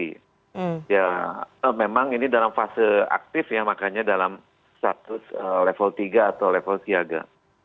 jadi ya memang ini dalam fase aktif ya makanya dalam status level tiga atau level siaga